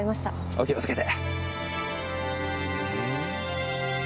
お気を付けて。